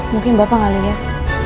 mungkin bapak gak liat